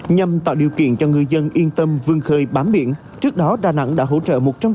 nhằm tạo điều kiện cho ngư dân yên tâm vương khơi bám biển trước đó đà nẵng đã hỗ trợ một trăm linh